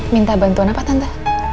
minta bantuan apa tante